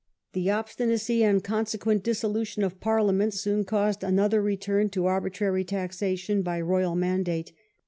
The obstinacy and consequent dissolution of Parliament soon caused another return to arbitrary taxation by royal mandate.